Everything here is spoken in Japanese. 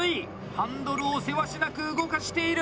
ハンドルをせわしなく動かしている！